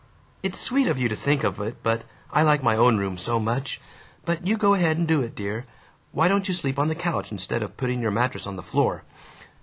"It's sweet of you to think of it, but I like my own room so much. But you go ahead and do it, dear. Why don't you sleep on the couch, instead of putting your mattress on the floor?